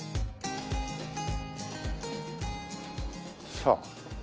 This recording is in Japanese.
さあ。